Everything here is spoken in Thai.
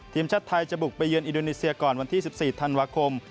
ทีมชาติไทยจะบุกไปเยือนอินโดนีเซียก่อนวันที่๑๔ธันวาคม